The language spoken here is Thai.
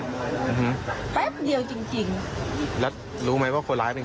อืมแป๊บเดียวจริงจริงแล้วรู้ไหมว่าคนร้ายเป็น